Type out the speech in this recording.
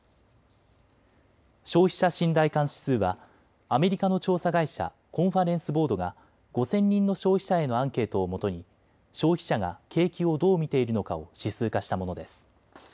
消費者信頼感指数はアメリカの調査会社、コンファレンス・ボードが５０００人の消費者へのアンケートをもとに消費者が景気をどう見ているのかを指数化したものです。